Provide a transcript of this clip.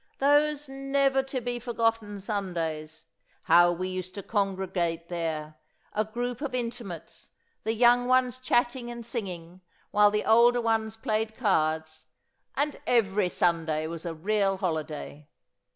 Those never to be forgotten Sundays! How we used to congregate there, a group of intimates the young ones chatting and singing while the older ones played cards, and every Sunday was a real holiday!